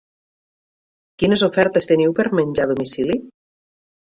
Quines ofertes teniu per a menjar a domicili?